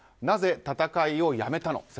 なぜ戦いをやめたの？